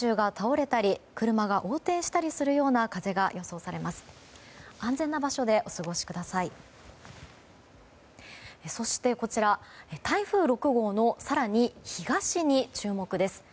そしてこちら台風６号の、更に東に注目です。